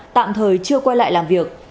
tạm thời chưa quay lại làm việc